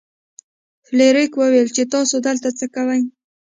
فلیریک وویل چې تاسو دلته څه کوئ.